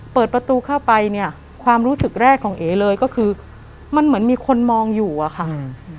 เปิดประตูเข้าไปเนี่ยความรู้สึกแรกของเอ๋เลยก็คือมันเหมือนมีคนมองอยู่อะค่ะอืม